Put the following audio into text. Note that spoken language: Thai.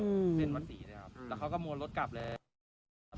เส้นวัน๔เนี่ยครับแล้วเขาก็มวนรถกลับเลย